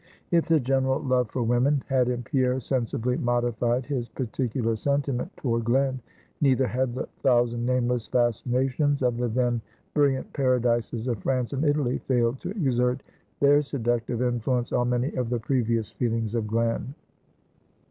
If the general love for women, had in Pierre sensibly modified his particular sentiment toward Glen; neither had the thousand nameless fascinations of the then brilliant paradises of France and Italy, failed to exert their seductive influence on many of the previous feelings of Glen.